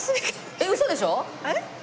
えっウソでしょ？